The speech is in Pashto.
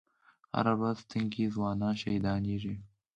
هره ورځ تنکي ځوانان شهیدانېږي